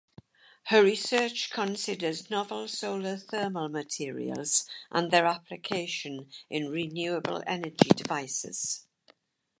Her research considers novel solar thermal materials and their application in renewable energy devices.